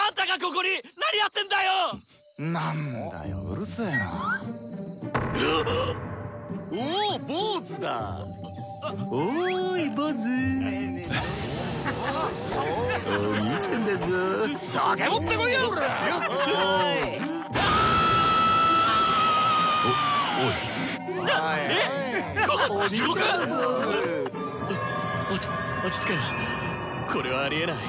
これはありえない！